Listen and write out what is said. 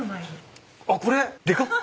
あっこれ？でかっ。